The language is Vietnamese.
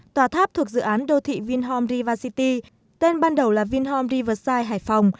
tòa tháp thuộc dự án đô thị vingroup river city tên ban đầu là vingroup riverside hải phòng